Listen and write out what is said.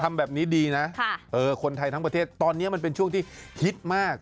ทำแบบนี้ดีนะคนไทยทั้งประเทศตอนนี้มันเป็นช่วงที่ฮิตมาก